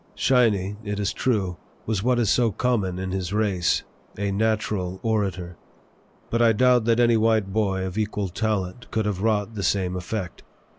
"Shiny," it is true, was what is so common in his race, a natural orator; but I doubt that any white boy of equal talent could have wrought the same effect.